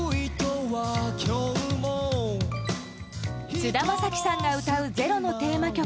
菅田将暉さんが歌う「ｚｅｒｏ」のテーマ曲